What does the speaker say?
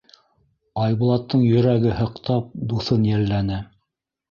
Айбулаттың йөрәге һыҡтап, дуҫын йәлләне.